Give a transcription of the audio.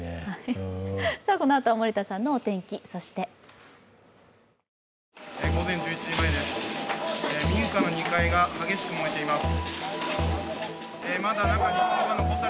このあとは森田さんのお天気そして午前１１時前です、民家の２階が激しく燃えています。